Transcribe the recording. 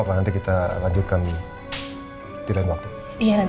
asal nangkas memohon penyelidikan diri uhh bolero yah